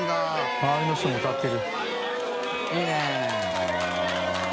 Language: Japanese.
周りの人も歌ってる。